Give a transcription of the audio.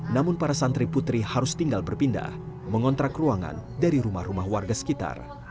namun para santri putri harus tinggal berpindah mengontrak ruangan dari rumah rumah warga sekitar